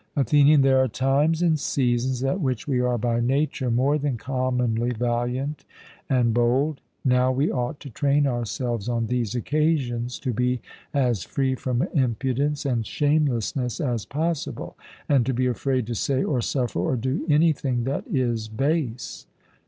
ATHENIAN: There are times and seasons at which we are by nature more than commonly valiant and bold; now we ought to train ourselves on these occasions to be as free from impudence and shamelessness as possible, and to be afraid to say or suffer or do anything that is base.